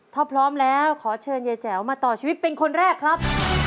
ถ้าพร้อมแล้วขอเชิญยายแจ๋วมาต่อชีวิตเป็นคนแรกครับ